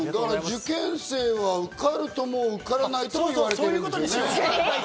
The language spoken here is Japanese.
受験生は受かるとも受からないとも言われてるんですね。